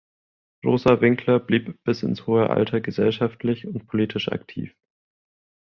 Rosa Winkler blieb bis ins hohe Alter gesellschaftlich und politisch aktiv.